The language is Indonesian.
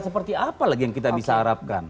seperti apa lagi yang kita bisa harapkan